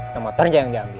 yang motornya yang diambil